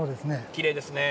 きれいですね。